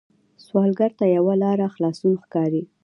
سوالګر ته یوه لاره خلاصون ښکاري